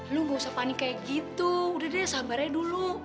lu gak usah panik kayak gitu udah deh sabarnya dulu